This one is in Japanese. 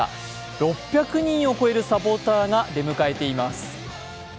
６００人を超えるサポーターが出迎えています。